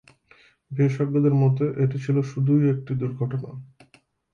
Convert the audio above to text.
বিশেষজ্ঞদের মতে, এটি ছিল শুধুই একটি দুর্ঘটনা।